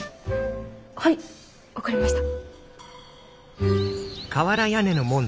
はい分かりました。